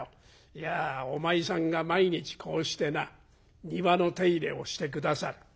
「いやお前さんが毎日こうしてな庭の手入れをして下さる。